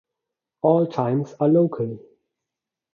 All times are local.